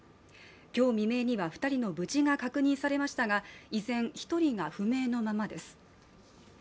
今日未明には２人の無事が確認されましたが依然１人が不明のままです。